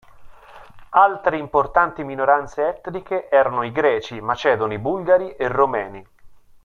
Altre importanti minoranze etniche erano i Greci, Macedoni, Bulgari e Romeni.